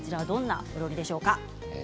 どんなお料理でしょうか？